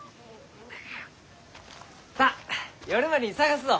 さあ夜までに探すぞ！